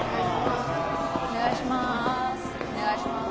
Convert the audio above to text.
お願いします。